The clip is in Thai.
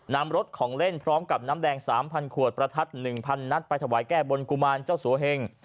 นำรถของเล่นพร้อมกับน้ำแดง๓๐๐ขวดประทัด๑๐๐นัดไปถวายแก้บนกุมารเจ้าสัวเหง